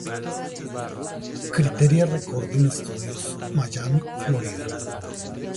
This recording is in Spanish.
Criteria Recording Studios, Miami, Florida.